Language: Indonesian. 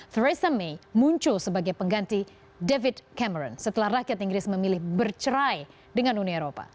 theresa may muncul sebagai pengganti david cameron setelah rakyat inggris memilih bercerai dengan uni eropa